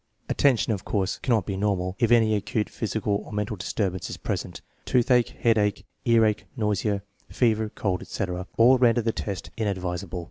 Attention, of course, cannot be normal if any acute 122 THE MEASUREMENT OF INTELLIGENCE physical or mental disturbance is present. Toothache, headache, earache, nausea, fever, cold, etc., all render the test inadvisable.